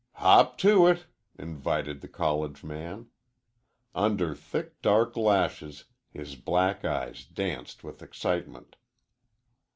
"Hop to it!" invited the college man. Under thick dark lashes his black eyes danced with excitement.